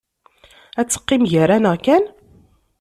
Ad teqqim gar-aneɣ kan?